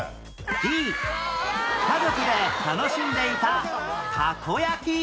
Ｄ 家族で楽しんでいたたこ焼き